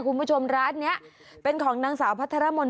คุณผู้ชมร้านนี้เป็นของนางสาวพัทรมนต